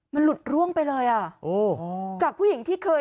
มันหลุดร่วงไปเลยอ่ะโอ้จากผู้หญิงที่เคย